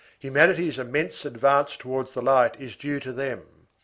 Humanity's immense advance towards the light is due to them.